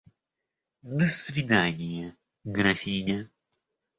До свиданья, графиня.